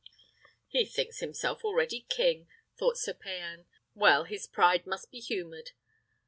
"He thinks himself already king," thought Sir Payan. "Well, his pride must be humoured.